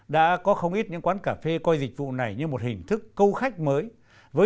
đã có không ít những quán cà phê coi dịch vụ này như một hình thức câu khách mới